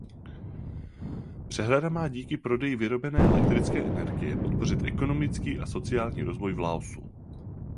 Přehrada má díky prodeji vyrobené elektrické energie podpořit ekonomický a sociální rozvoj v Laosu.